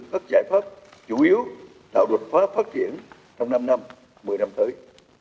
các giải pháp chủ yếu tạo đột phá phát triển trong năm năm một mươi năm tới